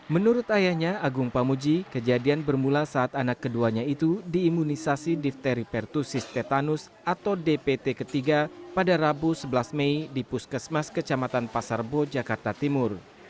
menurut ayahnya agung pamuji kejadian bermula saat anak keduanya itu diimunisasi difteripertusis tetanus atau dpt ketiga pada rabu sebelas mei di puskesmas kecamatan pasarbo jakarta timur